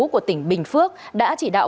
của tỉnh bình phước đã chỉ đạo